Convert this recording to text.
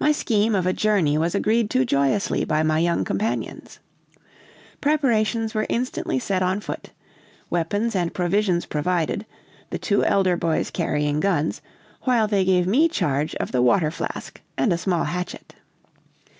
"My scheme of a journey was agreed to joyously by my young companions. Preparations were instantly set on foot; weapons and provisions provided; the two elder boys carrying guns, while they gave me charge of the water flask, and a small hatchet.